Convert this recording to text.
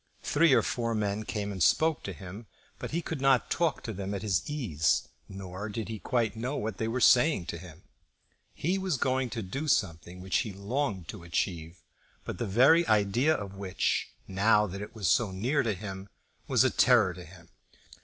Three or four men came and spoke to him; but he could not talk to them at his ease, nor did he quite know what they were saying to him. He was going to do something which he longed to achieve, but the very idea of which, now that it was so near to him, was a terror to him.